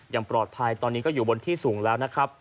อย่างปลอดภัยตอนนี้ก็อยู่บนที่สูงแล้วนะครับ